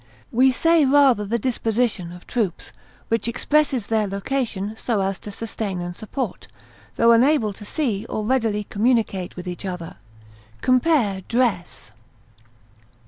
We say rather the disposition of troops, which expresses their location so as to sustain and support, though unable to see or readily communicate with each other. Compare DRESS.